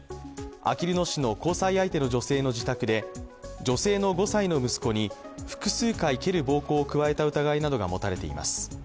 あきる野市の交際相手の女性の自宅で女性の５歳の息子に複数回蹴る暴行を加えた疑いなどが持たれています。